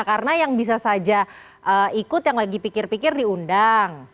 karena yang bisa saja ikut yang lagi pikir pikir diundang